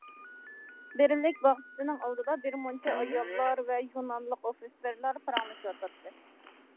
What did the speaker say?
« بىرلىك» باغچىسىنىڭ ئالدىدا بىرمۇنچە ئاياللار ۋە يۇنانلىق ئوفىتسېرلار پاراڭلىشىۋاتاتتى.